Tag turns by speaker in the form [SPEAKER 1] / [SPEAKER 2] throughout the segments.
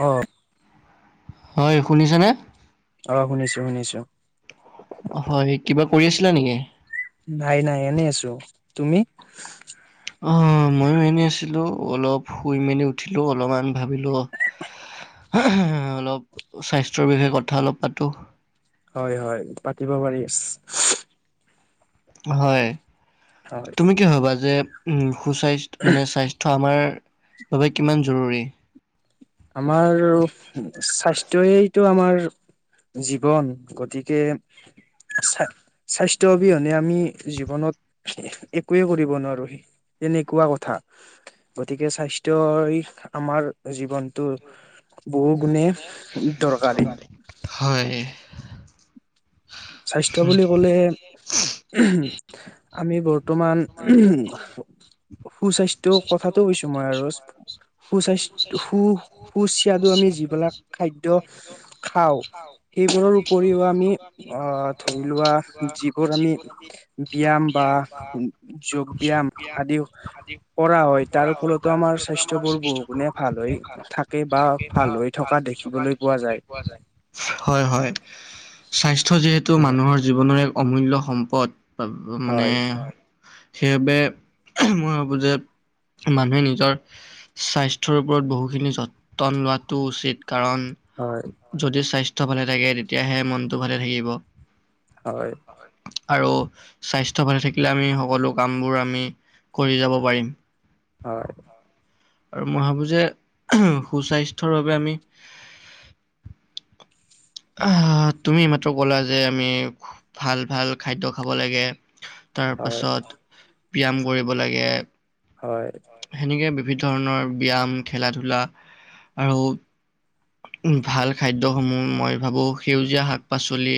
[SPEAKER 1] অ'।
[SPEAKER 2] হয়, শুনিছানে?
[SPEAKER 1] অ', শুনিছো, শুনিছো।
[SPEAKER 2] হয়, কিবা কৰি আছিলা নেকি?
[SPEAKER 1] নাই নাই এনে আছো, তুমি?
[SPEAKER 2] অ', মইয়ো এনে আছিলো অলপ শুই মেলি উঠিলো অলমান ভাবিলো অলপ স্বাস্থ্যৰ বিষয়ে কথা অলপ পাতো।
[SPEAKER 1] হয়, হয়, পাতিব পাৰি।
[SPEAKER 2] হয়, তুমি কি ভাবা যে উম সু-স্বা মানে স্বা স্থ্য আমাৰ বাবে কিমান জৰুৰী?
[SPEAKER 1] আমাৰ আৰু স্বাস্থ্যইটো আমাৰ জীৱন গতিকে স্বা-স্বাস্থ্য অবিহনে আমি জীৱনত এহ-একোৱে কৰিব নোৱাৰোঁ। তেনেকুৱা কথা, গতিকে স্বাস্থ্যই আমাৰ জীৱন। তোৰ বহু গুণেই দৰকাৰী।
[SPEAKER 2] হয়।
[SPEAKER 1] স্বাস্থ্য বুলি ক'লে আমি বৰ্তমান সুস্বাস্থ্যৰ কথাটো কৈছো মই আৰু। সুস্বাস্থ্য সু-সুস্বাদু আমি যিবিলাক খাদ্য খাওঁ। সেইবোৰৰ উপৰিও আমি আহ ধৰি লোৱা যিবোৰ আমি ব্যায়াম বা যোগ ব্যায়াম আদিও কৰা হয় তাৰ ফলতো আমাৰ স্বাস্থ্যবোৰ বহু গুণে ভাল হৈ থাকে বা ভাল হৈ থকা দেখিবলৈ
[SPEAKER 2] দেখিবলৈ পোৱা যায়। হয়, হয়, স্বাস্থ্য যিহেতু মানুহৰ জীৱনৰ এক অমূল্য সম্পদ। মানে সেইবাবে মই ভাবো যে মানুহে নিজৰ স্বাস্থ্যৰ ওপৰত বহুখিনি যতন লোৱাটো উচিত। কাৰণ
[SPEAKER 1] হয়।
[SPEAKER 2] যদি স্বাস্থ্য ভালে থাকে তেতিয়াহে মনটো ভালে থাকিব।
[SPEAKER 1] হয়।
[SPEAKER 2] আৰু স্বাস্থ্য ভালে থাকিলে আমি সকলো কামবোৰ আমি কৰি যাব পাৰিম।
[SPEAKER 1] হয়।
[SPEAKER 2] আৰু মই ভাবোঁ যে সুস্বাস্থ্যৰ বাবে আমি তুমি এইমাত্ৰ ক'লা যে আমি ভাল ভাল খাদ্য খাব লাগে। তাৰপাছত ব্যায়াম কৰিব লাগে।
[SPEAKER 1] হয়।
[SPEAKER 2] সেনেকৈ বিভিন্ন ধৰণৰ ব্যায়াম খেলা ধূলা আৰু ভাল খাদ্যসমূহ মই ভাবো সেউজীয়া শাক পাচলি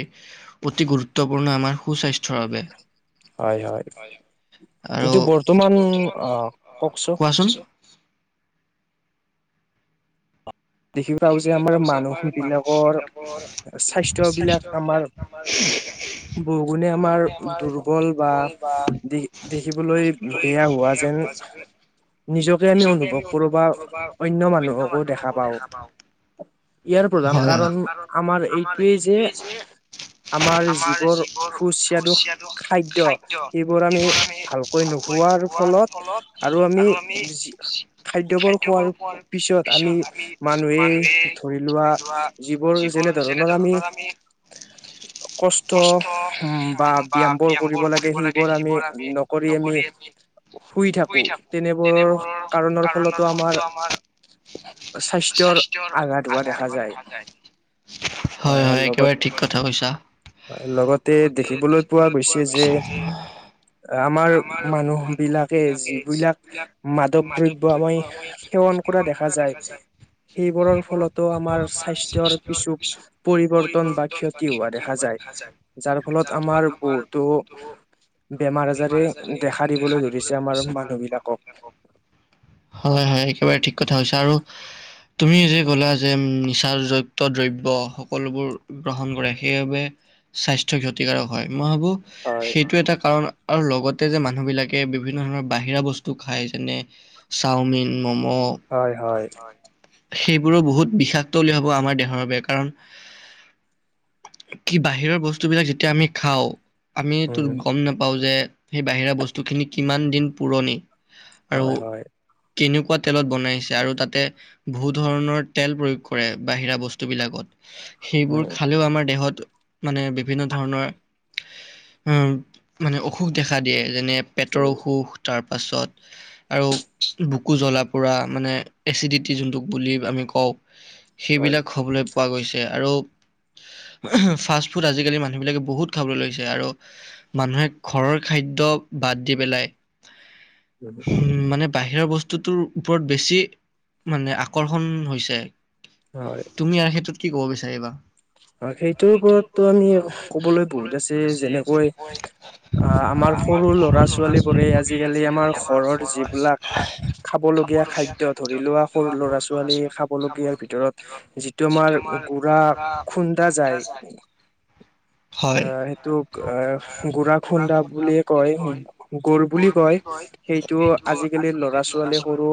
[SPEAKER 2] অতি গুৰুত্বপূৰ্ণ আমাৰ সুস্বাস্থ্যৰ বাবে। হয়, আৰু, বৰ্তমান, কোৱাচোন?
[SPEAKER 1] দেখি পাওঁ যে, আমাৰ মানুহ বিলাকৰ স্বাস্থ্য বিলাক আমাৰ
[SPEAKER 2] আমাৰ
[SPEAKER 1] বহুগুণে আমাৰ দুৰ্বল বা দে দেখিবলৈ বেয়া হোৱা যেন নিজকে আমি অনুভৱ কৰোঁ, বা অন্য মানুহকো দেখা পাওঁ। ইয়াৰ প্ৰধান কাৰণ আমাৰ এইটোৱেই যে আমাৰ যিবোৰ সুস্বাদু খাদ্য, সেইবোৰ আমি ভালকৈ নোখোৱাৰ আৰু ফলত, আৰু আমি বেছি খাদ্যবোৰ খোৱাৰ পিছত, আমি মান
[SPEAKER 2] মানুহে ধৰি লোৱা, যিবোৰ যেনে ধৰণৰ আমি কষ্ট উম, বা ব্যয়ামবোৰ কৰিব লাগে, সেইবোৰ আমি নকৰি আমি শুই থাকোঁ, তেনেবোৰৰ কাৰণৰ ফলতো আমাৰ
[SPEAKER 1] স্বাস্থ্যৰ আঘাত হোৱা দেখা যায়, আহ, লগত হয়, লগত
[SPEAKER 2] লগতে দেখিবলৈ পোৱা গৈছে যে
[SPEAKER 1] আমাৰ মানুহ বিলাকে, যিবিলাক মাদক দ্ৰব্য আমি সেৱন কৰা দেখা যায়। সেইবোৰৰ ফলতো আমাৰ স্বাস্থ্যৰ কিছু পৰিবৰ্তন বা ক্ষতি হোৱা দেখা যায়। যাৰ ফলত আমাৰ বহুতো বেমাৰ আজাৰে দেখা দিবলৈ ধৰিছে আমাৰ মানুহবিলাকক।
[SPEAKER 2] হয়-হয়, একেবাৰে ঠিক কথা কৈছা, আৰু তুমি যে কলা যে নিচা যুক্ত দ্ৰব্য সকলোবোৰ গ্ৰহণ কৰে, সেইবাবে স্বাস্থ্য ক্ষতিকাৰক হয়, মই ভাবো, সেইটো এটা কাৰণ। আৰু লগতে যে মানুহবিলাকে বিভিন্ন ধৰণৰ বাহিৰা বস্তু খায়, যেনে চাওমিন, মম' হয়, হয়। সেইবোৰো বহুত বিষাক্ত বুলি ভাবো, আমাৰ দেহৰ বাবে, কাৰণ কি বাহিৰৰ বস্তুবিলাক যেতিয়া আমি খাওঁ, আমিটো গম নাপাওঁ যে সেই বাহিৰা বস্তুখিনি কিমান দিন পুৰণি, আৰু কেনেকুৱা তেলত বনাইছে, আৰু তাতে বহু ধৰণৰ তেল প্ৰয়োগ কৰে, বাহিৰা বস্তুবিলাকত। সেইবোৰ খালেও আমাৰ দেহত মানে বিভিন্ন ধৰণৰ উম, মানে অসুখ দেখা দিয়ে, যেনে পেটৰ অসুখ, তাৰপাছত আৰু বুকু জ্বলা পোৰা, মানে এচিডিটি যোনটোক বুলি আমি কওঁ। সেইবিলাক হ'বলৈ পোৱা গৈছে, আৰু ফাষ্ট ফুড আজিকালি মানুহবিলাকে বহুত খাবলৈ লৈছে, আৰু মানুহে ঘৰৰ খাদ্য বাদ দি পেলাই, উম, মানে বাহিৰৰ বস্তুটোৰ ওপৰত বেছি মানে আকৰ্ষণ হৈছে। তুমি ইয়াৰ ক্ষেত্ৰত কি ক'ব বিচাৰিবা?
[SPEAKER 1] ‌হয়, সেইটোৰ ওপৰত টো আমি ক'বলৈ বহুত আছে, যেনেকৈ আহ, আমাৰ সৰু ল'ৰা-ছোৱালী বোৰে আজিকালি আমাৰ ঘৰৰ যিবিলাক খাব লগীয়া খাদ্য, ধৰি লোৱা সৰু ল'ৰা-ছোৱালীয়ে খাবলগীয়াৰ ভিতৰত যিটো আমাৰ গুড়া খুন্দা যায়। আহ সেইটোক, আহ গুৰা খুন্দা বুলিয়ে কয়, গ'ল বুলি কয়। সেইটোৱো আজিকালিৰ ল'ৰা ছোৱালী সৰু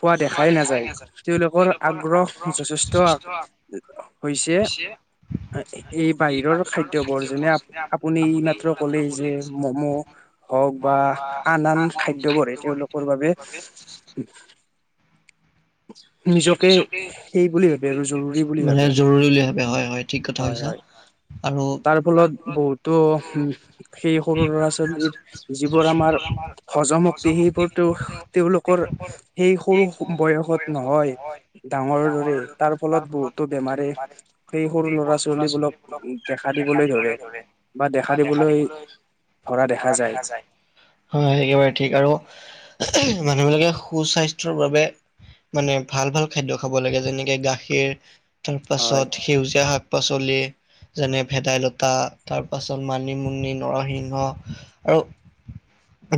[SPEAKER 1] খোৱা দেখাই নাযায়, তেওঁলোকৰ আগ্ৰহ যথেষ্ট [unintelligible] এই বাহিৰৰ খাদ্যবোৰ, যেনে আপুনি এই মাত্ৰ কলেই যে মম' হওঁক বা, আন আন খাদ্যবোৰে তেওঁলোকৰ বাবে
[SPEAKER 2] মানে জৰুৰী বুলি ভাবে হয়, হয় ঠিক ক থা কৈছে।
[SPEAKER 1] তাৰ ফলত বহুতো, সেই সৰু ল'ৰা ছোৱালীৰ যিবোৰ আমাৰ হজম শক্তি সেইবোৰ তো', তেওঁলোকৰ, সেই সৰু বয়স ত' নহয়, ডাঙৰ দৰে তাৰ ফলত বহুতো বেমাৰে সেই সৰু ল'ৰা ছোৱালীবোৰক, দেখা দিবলৈ ধৰে, বা দেখা দিবলৈ ধৰা দেখা যায়।
[SPEAKER 2] হয় একেবাৰে ঠিক, আৰু মানুহবিলাকে সুস্বাস্থ্যৰ বাবে মানে ভাল, ভাল খাদ্য খাব লাগে যেনেকে গাখীৰ, তাৰপাছত সেউজীয়া শাক পাচলি। যেনে ভেদাইলতা, তাৰপাছত মানিমুনি, নৰসিংহ আৰু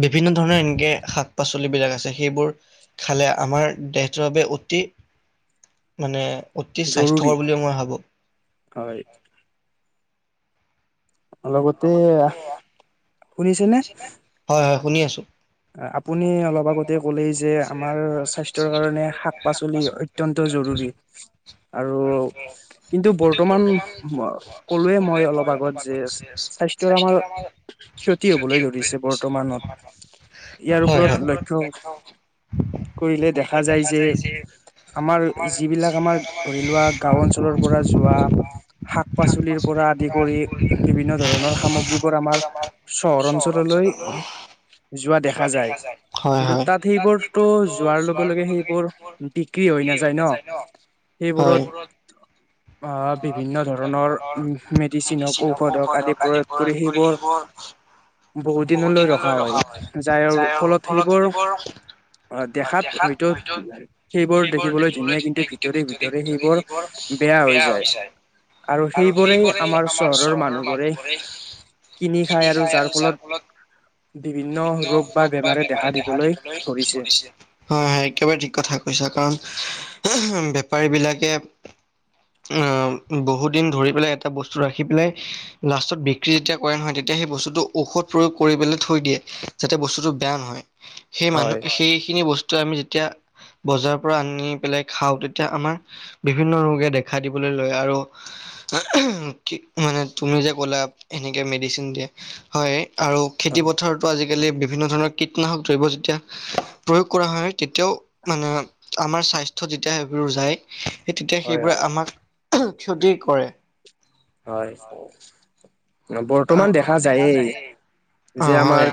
[SPEAKER 2] বিভিন্ন ধৰণৰ এনেকে শাক পাচলি বিলাক আছে, সেইবোৰ খালে, আমাৰ দেহটোৰ বাবে অতি মানে অতি স্বাস্থ্যকৰ বুলি মই ভাবোঁ।
[SPEAKER 1] হয়। অলপতে, আহ
[SPEAKER 2] হয় হয়, শুনি আছোঁ।
[SPEAKER 1] আপুনি অলপ আগতে ক'লেই যে, আমাৰ স্বাস্থ্যৰ কাৰণে শাক পাচলি অ ত্যন্ত জৰুৰি আৰু, কিন্তু বৰ্তমান, কলোৱে মই অলপ আগত যে স্বাস্থ্য আমাৰ, ক্ষতি হ'বলৈ ধৰিছে বৰ্তমানত। ইয়াৰ ওপৰত লক্ষ্য, কৰিলে দেখা যায় যে আমাৰ যিবিলাক আমাৰ ধৰি লোৱা গাঁও অঞ্চলৰ পৰা যোৱা শাক পাচলিৰ পৰা আদি কৰি বিভিন্ন ধৰণৰ সামগ্ৰীবোৰ আমাৰ, চহৰ অঞ্চললৈ, যোৱা দেখা যায়, কিন্তু তাত সেইবোৰতো যোৱাৰ লগে লগে সেইবোৰ, বিক্ৰী হৈ নাযায় ন। সেইবোৰত আহ, বিভিন্ন ধৰণৰ মেডিচিন হওঁক, ঔষধ হওঁক আদি প্ৰয়োগ কৰি
[SPEAKER 2] বহু
[SPEAKER 1] সেইবোৰ
[SPEAKER 2] বহুত দিনলৈ ৰখা হ'য়, যাৰ ফলত সেইবোৰ দেখাত হ'য়তো, সেইবোৰ দেখিবলৈ ধুনীয়া কিন্তু ভিতৰে ভিতৰে, সেইবোৰ বেয়া হৈ যায়।
[SPEAKER 1] আৰু সেইবোৰে আমাৰ চহৰৰ মানুহবোৰেই কিনি খাই আৰু যাৰ ফলত, বিভিন্ন
[SPEAKER 2] ৰোগ বা বেমাৰে দেহা দিবলৈ ধৰিছিল। হয়, একেবাৰে ঠিক কথা কৈছা কাৰণ, বেপাৰী বিলাকে আহ, বহু দিন ধৰি পেলাই, এটা বস্তু ৰাখি পেলাই লাষ্টত বিক্ৰী যেতিয়া কৰা নহয়, তেতিয়া সেই বস্তুটো ঔষধ প্ৰয়োগ কৰি পেলাই থৈ দিয়ে, যাতে বস্তুটো বেয়া নহয়। সেই মানুহ, সেইখিনি বস্তু আমি তেতিয়া বজাৰৰ পৰা আনি পেলাই খাও তেতিয়া আমাৰ বিভিন্ন ৰোগে দেখ খায় দিবলৈ লয় আৰু ঠিক মানে তুমি যে ক'লা এনেকে মেডিচিন দিয়ে হয় আৰু খেতি পথাৰত আজিকালি বিভিন্ন ধৰণৰ কীটনাশক দ্ৰব্য যেতিয়া প্ৰয়োগ কৰা হয় তেতিয়াও মানে আমাৰ স্বাস্থ্য যেতিয়া সেইবোৰ যায় সেই তেতিয়া সেইবোৰে আমাক ক্ষতি কৰে
[SPEAKER 1] হয় বৰ্তমান দেখা যায়েই যে আমাৰ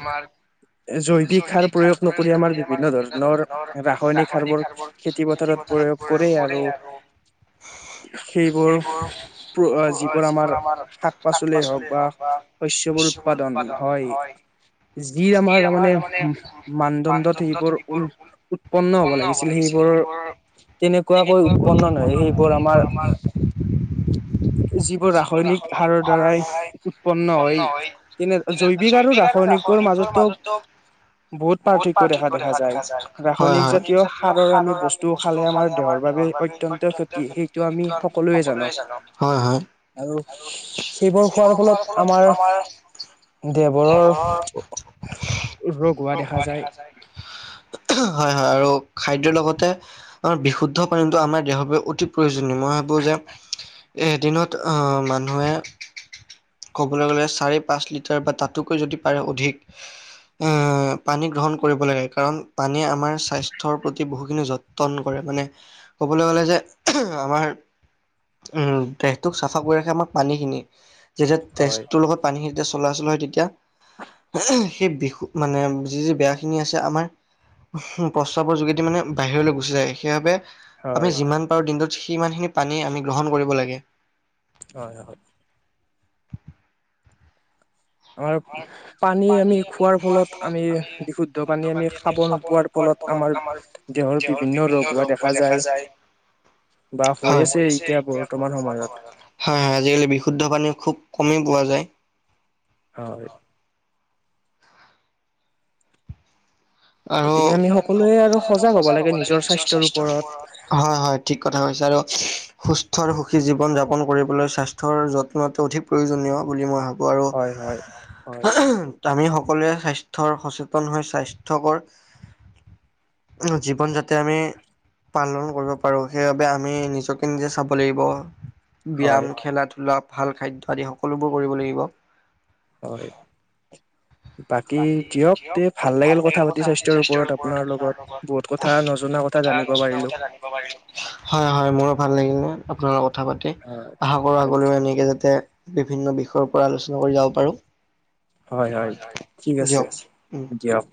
[SPEAKER 1] জৈৱিক সাৰ প্ৰয়োগ নকৰি আমাৰ বিভিন্ন ধৰণৰ ৰাসয়নিক সাৰ বোৰ খেতি পথাৰত প্ৰয়োগ কৰে আৰু সেইবোৰ পো আ যিবোৰ আমাৰ শাক পাচলি হওক বা শস্যবোৰ উৎপাদন হয় যি আমাৰ তাৰ মানে মানদণ্ডত সেইবোৰ উন উৎপন্ন হব লাগিছ
[SPEAKER 2] হ'ব লাগিছিল সেইবোৰ তেনেকুৱা উৎপন্ন হয় সেইবোৰ আমাৰ যিবোৰ ৰাসয়নিক সাৰ দ্বাৰাই উৎপন্ন হয় এনে জৈৱিক আৰু ৰাসয়নিকৰ মাজতো বহুত পাৰ্থক্য থকা দেখা যায় হয় হয় দৈনিক জাতীয় সাৰৰ আমি খালে আমাৰৰ দেহৰ বাবে অত্যন্ত ক্ষতিকাৰক সেইটো আমি সকলোৱে জানো হয় হয় আৰু সেইবোৰ খোৱাৰ ফলত আমাৰ দেহৰ ৰোগবোৰ হোৱা দেখা যায় হয় হয় আৰু খাদ্যৰ লগতে আমা বিশুদ্ধ পানীটো আমাৰ দেহৰ বাবে অতি প্ৰয়োজনীয় মই ভাবোঁ যে এদিনত অ মানুহে ক'বলৈ গ'লে চাৰি পাঁচ লিটাৰ বা তাতোকৈ যদি পাৰে অধিক পানী গ্ৰহণ কৰিব লাগে কাৰণ পানীয়ে আমাৰ স্বাস্থ্যৰ প্ৰতি বহুখিনি যতন কৰে মানে ক'বলৈ গ'লে যে আমাৰ উম দেহটোক চাফা কৰি ৰাখে আমাক পানীখিনি যেতিয়া তেজটোৰ লগত পানীখিনি চলা চলা হয় তেতিয়া সেই বি মানে যি যি বেয়াখিনি আছে আমাৰ প্ৰস্তাৱৰ যোগেদি মানে বাহিৰলৈ গুচি যায় সেইবাবে আমি যিমান পাৰো দিনটোত সিমানখিনি পানী আমি গ্ৰহণ কৰিব লাগে
[SPEAKER 1] হয় হয় আৰ পানী আমি খোৱাৰ ফলত আমি বিশুদ্ধ পানী আমি খাব নোপোৱাৰ ফলত আমাৰ দেহৰ বিভিন্ন ৰোগ হোৱা দেখা যায় বা হৈ আছে এতিয়া বৰ্তমান সময়ত
[SPEAKER 2] হয় হয় আজিকালি বিশুদ্ধ পানী খুব কমেই পোৱা যায়
[SPEAKER 1] হয়
[SPEAKER 2] আৰু আমি সকলোৱে আৰু সজাগ হ'ব লাগে নিজৰ স্বাস্থ্যৰ ওপৰত হয় হয় ঠিক কথা কৈছা আৰু সুস্থ আৰু সুখী জীৱন যাপন কৰিবলৈ স্বাস্ ধৰ যত্নটো অধিক প্ৰয়োজনীয় বুলি মই ভাবো আৰু আমি সকলোৱে স্বাস্থ্যৰ সচেতন হৈ স্বাস্থ্যকৰ জীৱন যাতে আমি পালন কৰিব পাৰো সেইবাবে আমি নিজকে নিজে চাব লাগিব ব্যায়াম খেলা ধূলা ভাল খাদ্য আদি সকলোবোৰ কৰিব লাগিব
[SPEAKER 1] ঐ বাকী দিয়ক তে ভাল লাগিল কথা পাতি স্বাস্থ্যৰ ওপৰত আপোনাৰ লগত বহুত কথা- নজনা কথা জানিব পাৰিলো।
[SPEAKER 2] হয়- হয় মোৰো ভাল লাগিলে আপোনাৰ লগত। কথা পাতি আশা কৰোঁ, আগলৈ এনেকে যাতে বিভিন্ন বিষয়ৰ পৰা আলোচনা কৰি যাব পাৰো।
[SPEAKER 1] হয়- হয় ঠিক আছে, দিয়ক।